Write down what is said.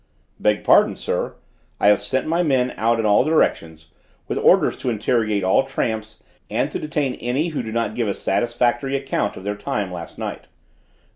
"Beg pardon, sir: I have sent my men out in all directions, with orders to interrogate all tramps and to detain any who do not give a satisfactory account of their time last night."